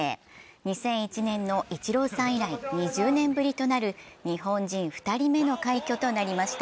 ２００１年のイチローさん以来２０年ぶりとなる日本人２人目の快挙となりました。